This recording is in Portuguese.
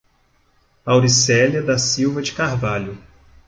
Auricelia da Silva de Carvalho